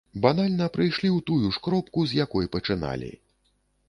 Банальна прыйшлі ў тую ж кропку, з якой пачыналі.